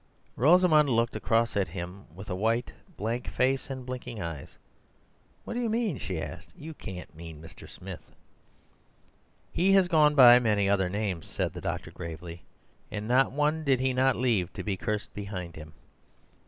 Rosamund looked across at him with a white, blank face and blinking eyes. "What do you mean?" she asked. "You can't mean Mr. Smith?" "He has gone by many other names," said the doctor gravely, "and not one he did not leave to be cursed behind him.